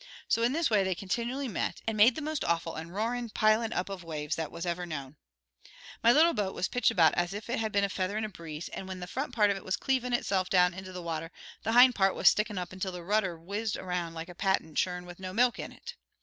So in this way they continually met, and made the most awful and roarin' pilin' up of waves that ever was known. "My little boat was pitched about as if it had been a feather in a breeze, and when the front part of it was cleavin' itself down into the water the hind part was stickin' up until the rudder whizzed around like a patent churn with no milk in it.